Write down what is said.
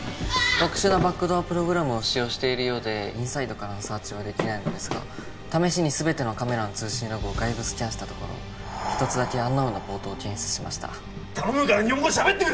特殊なバックドアプログラムを使用しているようでインサイドからのサーチはできないのですが試しに全てのカメラの通信ログを外部スキャンしたところ一つだけアンナウなポートを検出しました頼むから日本語しゃべってくれ！